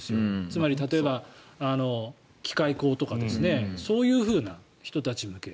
つまり例えば、機械工とかそういうふうな人たち向け。